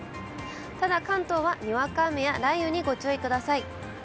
ただ関東はにわか雨や雷雨にご注意ください。